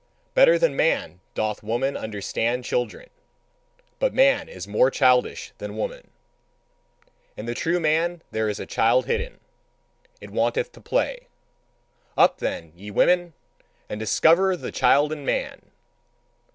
Better than man doth woman understand children, but man is more childish than woman. In the true man there is a child hidden: it wanteth to play. Up then, ye women, and discover the child in man!